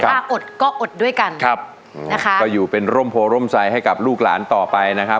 ถ้าอดก็อดด้วยกันครับนะคะก็อยู่เป็นร่มโพร่มใสให้กับลูกหลานต่อไปนะครับ